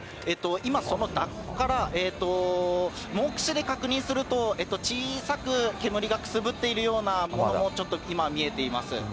今、そのダクトから、目視で確認すると、小さく煙がくすぶっているようなものもちょっと見えてます。